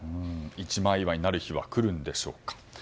一枚岩になる日は来るんでしょうか。